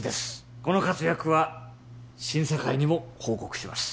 この活躍は審査会にも報告します